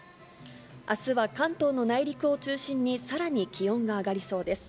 あすは関東の内陸を中心にさらに気温が上がりそうです。